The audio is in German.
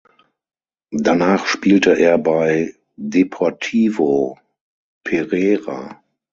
Danach spielte er bei Deportivo Pereira.